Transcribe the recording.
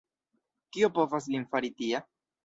Kio povas lin fari tia?